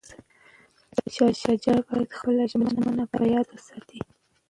شاه شجاع باید خپله ژمنه په یاد وساتي.